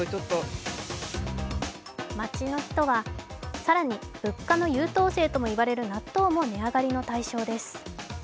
更に物価の優等生ともいわれる納豆も値上げの対象です。